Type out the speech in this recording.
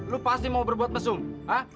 lo pasti mau berbuat mesum hah